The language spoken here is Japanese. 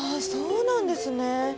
そうなんですね。